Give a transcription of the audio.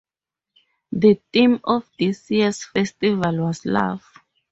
The theme of this year's festival was love.